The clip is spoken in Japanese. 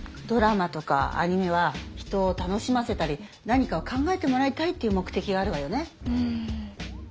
ドラマとかアニメは人を楽しませたり何かを考えてもらいたいっていう目てきがあるわよね。